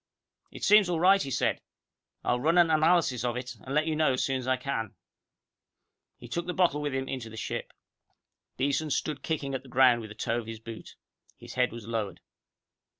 "It seems all right," he said. "I'll run an analysis of it, and let you know as soon as I can." He took the bottle with him into the ship. Beeson stood kicking at the ground with the toe of his boot. His head was lowered.